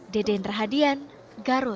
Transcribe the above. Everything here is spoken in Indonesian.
deden rahadian garut